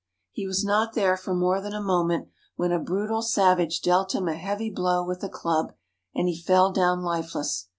He was not there for more than a moment, when a brutal savage dealt him a heavy blow with a club, and he fell down lifeless.